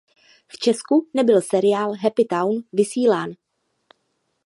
V Česku nebyl seriál "Happy Town" vysílán.